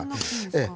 ええ。